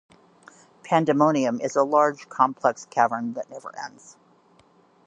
Pandemonium is a large, complex cavern that never ends.